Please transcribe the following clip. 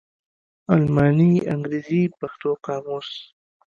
الماني _انګرېزي_ پښتو قاموس